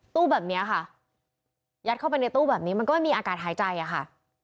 ตู้แบบนี้ค่ะยัดเข้าไปในตู้แบบนี้มันก็ไม่มีอากาศหายใจอะค่ะ